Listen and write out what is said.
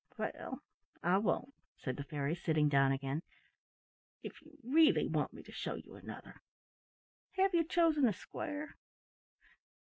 "Well, I won't," said the fairy, sitting down again, "if you really want me to show you another. Have you chosen a square?"